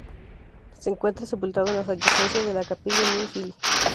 Se encuentra sepultado en las adyacencias de la Capilla Mill Hill.